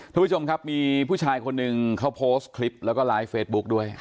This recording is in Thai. ทุกผู้ชมครับมีผู้ชายคนหนึ่งเขาโพสต์คลิปแล้วก็ไลฟ์เฟซบุ๊คด้วย